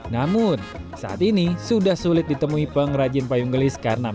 namun saat ini sudah sulit ditemui pengrajin payung gelis karena